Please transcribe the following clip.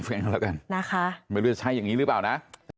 ฟังแล้วกันนะคะไม่รู้จะใช้อย่างนี้หรือเปล่านะ